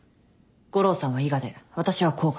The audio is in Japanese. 悟郎さんは伊賀で私は甲賀。